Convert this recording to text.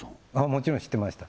もちろん知ってました